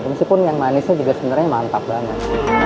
meskipun yang manisnya juga sebenarnya mantap banget